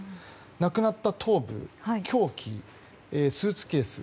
なくなった頭部凶器、スーツケース。